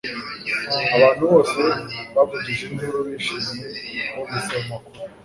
Abantu bose bavugije induru bishimye bumvise ayo makuru